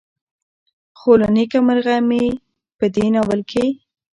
خو له نيکه مرغه مې په دې ناول کې